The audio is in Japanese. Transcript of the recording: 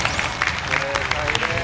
正解です。